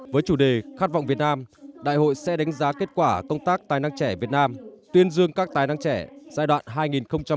với chủ đề khát vọng việt nam đại hội sẽ đánh giá kết quả công tác tài năng trẻ việt nam tuyên dương các tài năng trẻ giai đoạn hai nghìn một mươi năm hai nghìn hai mươi